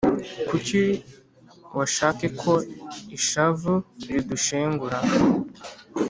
kuki washake ko ishavu ridushengura